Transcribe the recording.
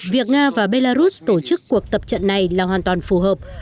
việc nga và belarus tổ chức cuộc tập trận này là hoàn toàn phù hợp